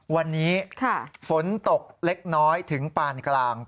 วันนี้ฝนตกเล็กน้อยถึงปานกลาง